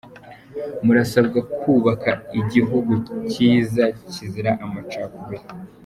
Murasabwa kubaka igihugu cyiza kizira amacakubiri.